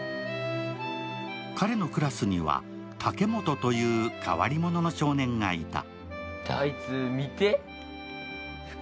彼のクラスには竹本という変わり者の少年がいた。